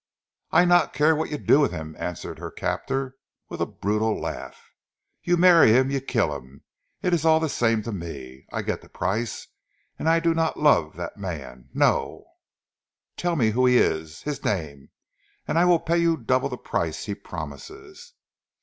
"I not care what you do wid heem!" answered her captor with a brutal laugh. "You marrie heem, you keel heem, it ees all zee same to me, I get zee price, an' I do not love dat mans, no." "Tell me who is he his name, and I will pay you double the price he promises."